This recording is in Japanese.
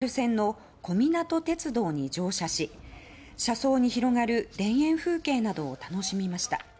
千葉県内を走るローカル線の小湊鉄道に乗車し車窓に広がる田園風景などを楽しみました。